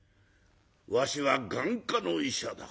わしは眼科の医者だ。